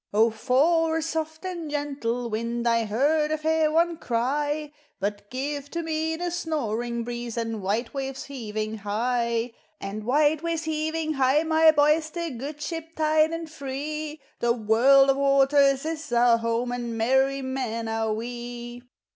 O for a soft and gentle wind! I heard a fair one cry ; But give to me the snoring breeze And white waves heaving high, — And white waves heaving high, my boys, The good ship tight and free; The world of waters is our home, And merry men are we.